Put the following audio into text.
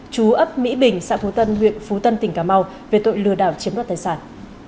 chú ấp mỹ bình xã phú tân huyện phú tân tỉnh cà mau về tội lừa đảo chiếm đoạt tài sản